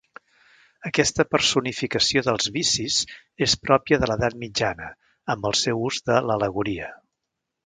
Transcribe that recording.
Aquesta personificació dels vicis és pròpia de l'edat mitjana amb el seu ús de l'al·legoria.